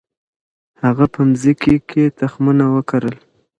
هغه په مځکي کي تخمونه وکرل.